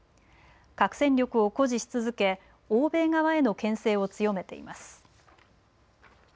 核戦力を誇示し続け欧米側へのけん制を強めています。